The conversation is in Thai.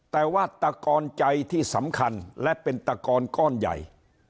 แต่ว่าตะกอนใจที่สำคัญและเป็นตะกอนก้อนใหญ่